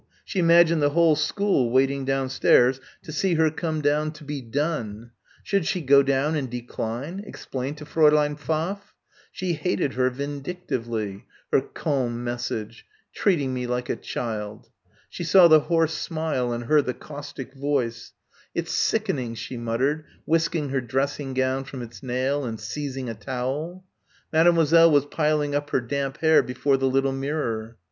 She imagined the whole school waiting downstairs to see her come down to be done. Should she go down and decline, explain to Fräulein Pfaff. She hated her vindictively her "calm" message "treating me like a child." She saw the horse smile and heard the caustic voice. "It's sickening," she muttered, whisking her dressing gown from its nail and seizing a towel. Mademoiselle was piling up her damp hair before the little mirror.